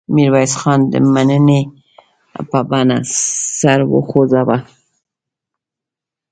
میرویس خان د مننې په بڼه سر وخوځاوه.